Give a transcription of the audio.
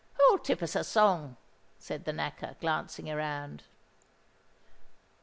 "Who'll tip us a song?" said the Knacker, glancing around.